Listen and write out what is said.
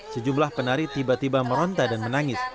sejumlah penari tiba tiba meronta dan menangis